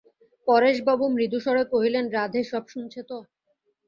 পরেশবাবু মৃদুস্বরে কহিলেন, রাধে, সব শুনেছ তো?